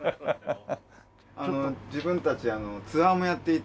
自分たちツアーもやっていて。